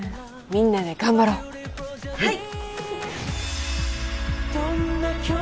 みんなで頑張ろうはい！